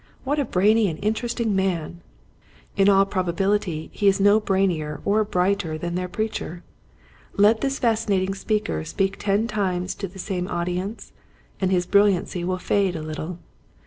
What a brainy and interesting man !" In all probability he is no brain ier or brighter than their preacher. Let this fascinating speaker speak ten times to the same audience and his bril liancy will fade a little.